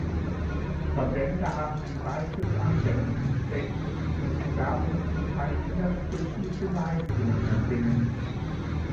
Verbände haben ein weites Anwendungsspektrum und müssen darum zum Teil widersprüchliche Leistungen erbringen.